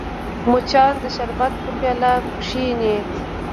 مچان د شربت پر پیاله کښېني